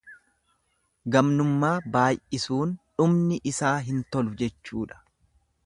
Gamnummaa baay'isuun dhumni isaa hin tolu jechuudha.